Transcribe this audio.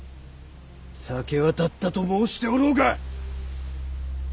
酒は断ったと申しておろうが！